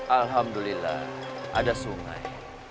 alhamdulillah ada sungai